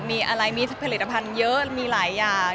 มีอะไรมีผลิตภัณฑ์เยอะมีหลายอย่าง